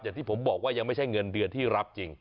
อย่างที่ผมบอกว่ายังไม่ใช่เงินเดือนที่รับจริง